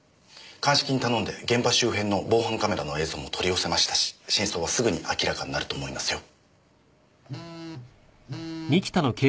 鑑識に頼んで現場周辺の防犯カメラの映像も取り寄せましたし真相はすぐに明らかになると思いますよ。